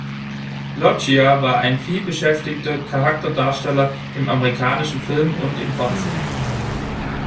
Loggia war ein vielbeschäftigter Charakterdarsteller im amerikanischen Film und im Fernsehen.